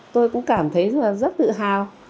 tôi cũng cảm thấy rất tự hào